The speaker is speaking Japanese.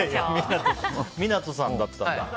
港さんだったんだ。